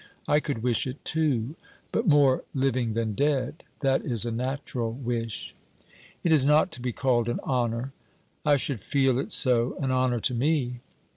I could wish it too. But more living than dead that is a natural wish.' 'It is not to be called an honour.' 'I should feel it so an honour to me.'